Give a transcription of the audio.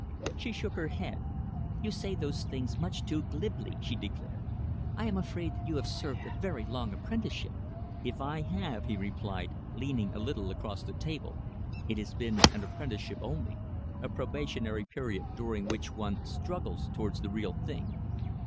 She shook her head. "You say those things much too glibly," she declared. "I am afraid that you have served a very long apprenticeship." "If I have," he replied, leaning a little across the table, "it has been an apprenticeship only, a probationary period during which one struggles towards the real thing."